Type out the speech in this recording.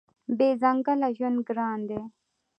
بې ځنګله ژوند ګران دی.